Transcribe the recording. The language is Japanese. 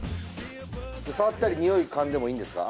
触ったりにおい嗅いでもいいんですか？